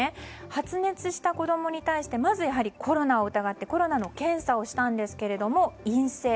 発熱した子供に対してまずコロナを疑ってコロナの検査をしたんですけど陰性。